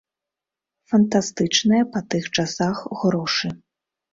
Фантастычныя па тых часах грошы.